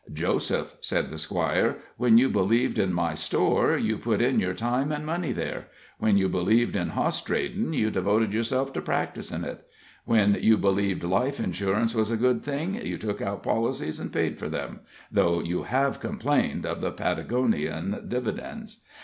"Joseph," said the Squire, "when you believed in my store, you put in your time and money there. When you believed in hoss tradin' you devoted yourself to practicing it. When you believed life insurance was a good thing, you took out policies and paid for them, though you have complained of the Patagonian dividends.